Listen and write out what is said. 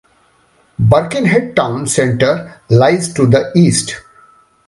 Birkenhead town centre lies to the east.